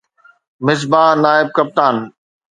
مصباح نائب ڪپتان